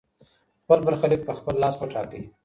خپل برخليک په خپل لاس وټاکئ.